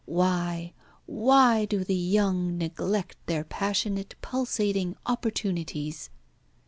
Why, why do the young neglect their passionate pulsating opportunities?"